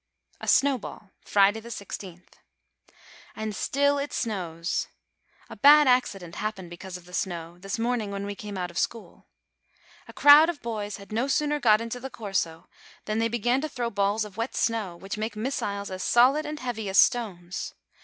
A SNOWBALL Friday, i6th. And still it snows. A bad accident happened because of the snow, this morning when we came out of school. A crowd of boys had no sooner got into the Corso than they began to throw balls of wet snow which makes missiles as solid and heavy as stones.